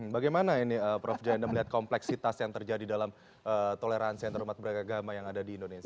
bagaimana ini prof janda melihat kompleksitas yang terjadi dalam toleransi antarumat beragama yang ada di indonesia